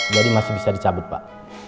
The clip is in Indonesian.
jadi masih bisa dicabut pak